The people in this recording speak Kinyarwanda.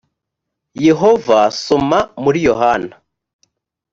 yehova soma muri yohana